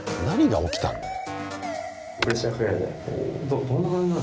何が起きたの？